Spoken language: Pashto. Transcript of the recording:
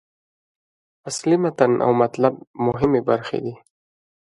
اصلي متن او مطلب مهمې برخې دي.